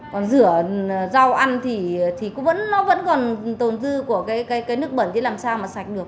còn rửa rau ăn thì cũng vẫn còn tồn dư của cái nước bẩn thì làm sao mà sạch được